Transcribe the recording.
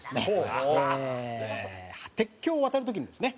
鉄橋を渡る時にですね